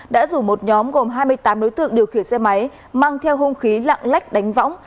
đã rủ một nhóm gồm hai mươi tám đối tượng điều khiển xe máy mang theo hung khí lạng lách đánh võng